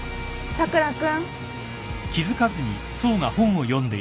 佐倉君。